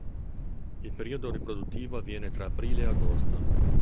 Il periodo riproduttivo avviene tra aprile e agosto.